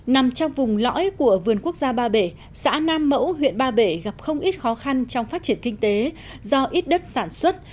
nằm trong vùng lõi của vườn quốc gia ba bể xã nam mẫu huyện ba bể gặp không ít khó khăn trong phát triển kinh tế do ít đất sản xuất